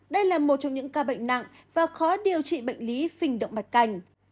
đây là một trong những ca bệnh nặng và khó điều trị bệnh lý phình động mạch cành